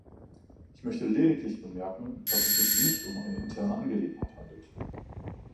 Ich möchte lediglich bemerken, dass es sich nicht um eine interne Angelegenheit handelt.